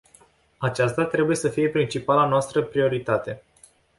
Aceasta trebuie să fie principala noastră prioritate.